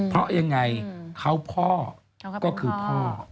เพราะยังไงเขาพ่อก็คือพ่อ